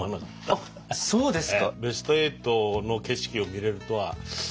あっそうですか？